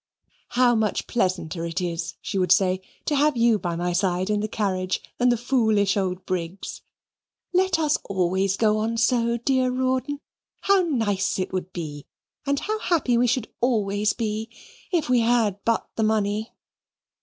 "How much pleasanter it is," she would say, "to have you by my side in the carriage than that foolish old Briggs! Let us always go on so, dear Rawdon. How nice it would be, and how happy we should always be, if we had but the money!"